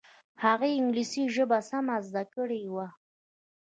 هغې انګلیسي ژبه سمه زده کړې وه